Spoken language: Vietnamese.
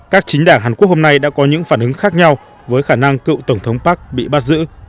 các chính đảng hàn quốc hôm nay đã có những phản ứng khác nhau với khả năng cựu tổng thống park bị bắt giữ